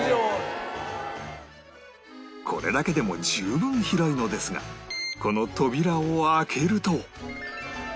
これだけでも十分広いのですがこの扉を開けると